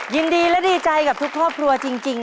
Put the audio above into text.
ยินดีและดีใจกับทุกครอบครัวจริง